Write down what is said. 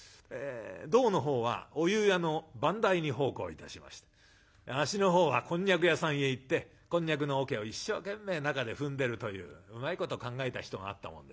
胴のほうはお湯屋の番台に奉公いたしまして足のほうはこんにゃく屋さんへ行ってこんにゃくのおけを一生懸命中で踏んでるといううまいこと考えた人があったもんで。